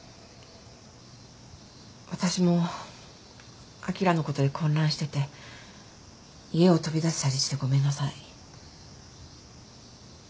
私もあきらのことで混乱してて家を飛び出したりしてごめんなさい。